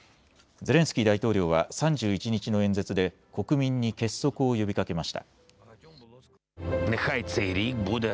ゼレンスキー大統領は３１日の演説で国民に結束を呼びかけました。